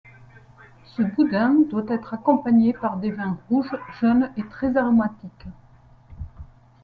Ce boudin doit être accompagné par des vins rouges jeunes et très aromatiques.